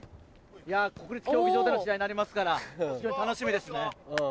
国立競技場での試合になりますから楽しみですね。